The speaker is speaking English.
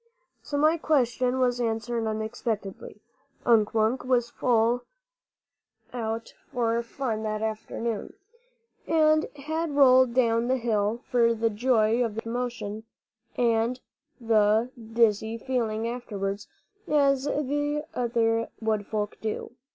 So my question was answered unexpectedly. Unk Wunk was out for fun that afternoon, and had rolled down the hill for the joy of the swift motion and the dizzy feeling afterwards, as other wood folk do.